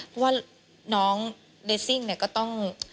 เพราะว่าน้องเรซิ่งเนี่ยก็ต้อง